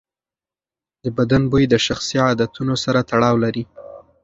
د بدن بوی د شخصي عادتونو سره تړاو لري.